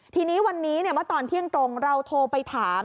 ทีนี้วันนี้เมื่อตอนเที่ยงตรงเราโทรไปถาม